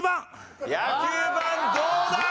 野球盤どうだ？